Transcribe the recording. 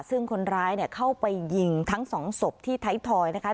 ซึ่งคนร้ายเข้าไปยิงทั้งสองศพที่ไทยทอยนะคะ